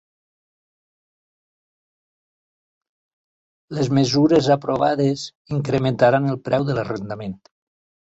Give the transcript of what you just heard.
Les mesures aprovades incrementaran el preu de l'arrendament